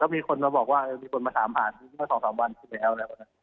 แต่ก็มีคนมาบอกว่ามีคนมาถามผ่าน๒๓วันทีแล้ว